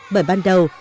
vì từ đầu